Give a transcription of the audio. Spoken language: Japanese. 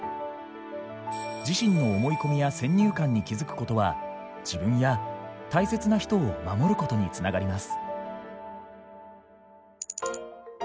自身の思い込みや先入観に気付くことは自分や大切な人を守ることに繋がります。